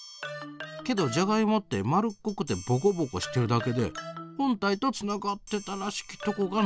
けどじゃがいもって丸っこくてぼこぼこしてるだけで本体とつながってたらしきとこがないねん。